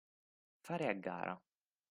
Fare a gara.